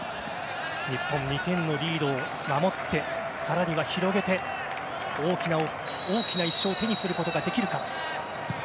日本、２点のリードを守って更には、広げて大きな１勝を手にすることができるか。